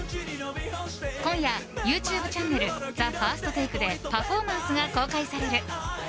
今夜、ＹｏｕＴｕｂｅチャンネル「ＴＨＥＦＩＲＳＴＴＡＫＥ」でパフォーマンスが公開される。